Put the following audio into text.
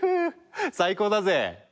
最高だぜ！